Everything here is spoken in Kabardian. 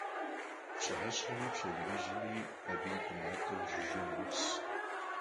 Пщыхьэщхьэми пщэдджыжьми абы и кӀий макъыр жыжьэ ноӀус.